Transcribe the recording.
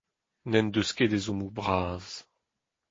N’en deus ket ezhommoù bras.